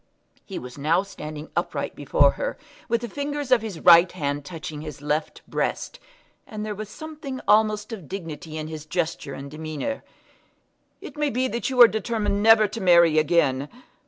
He was now standing upright before her, with the fingers of his right hand touching his left breast, and there was something almost of dignity in his gesture and demeanour. "It may be that you are determined never to marry again.